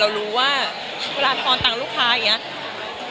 เรารู้ว่าร้านค้าต่างลูกค้าอย่างนี้